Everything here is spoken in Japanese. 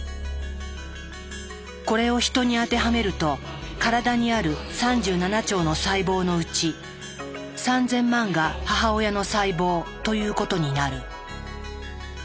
これをヒトに当てはめると体にある３７兆の細胞のうち３，０００万が母親の細胞ということになる。